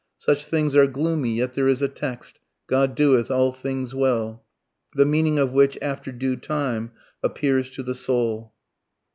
Such things are gloomy yet there is a text, 'God doeth all things well' the meaning of which, after due time, appears to the soul."